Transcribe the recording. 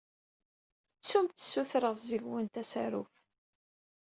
Ttumt ssutreɣ seg-went asaruf.